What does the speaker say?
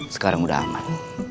sekarang udah aman